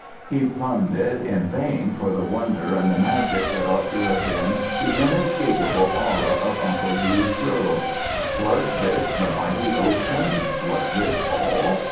He plumbed it in vain for the wonder and the magic that ought to have been the inescapable aura of Uncle Hugh's girl. Was this the mighty ocean, was this all?